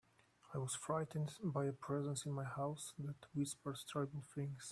I was frightened by a presence in my house that whispered terrible things.